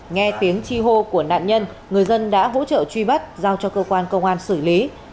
nghe tiếng chi hô của nạn nhân người dân đã hỗ trợ truy bắt giao cho cơ quan công an xử lý